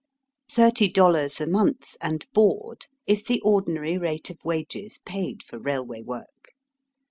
'' Thirty dollars a month and board is the ordinary rate of wages paid for railway work.